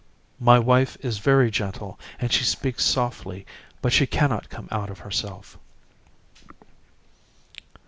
My wife is very gentle and she speaks softly but she cannot come out of herself.